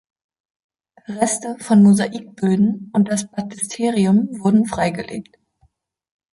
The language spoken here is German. Reste von Mosaikböden und das Baptisterium wurden freigelegt.